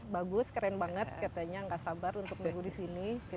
bagus keren banget katanya nggak sabar untuk nunggu di sini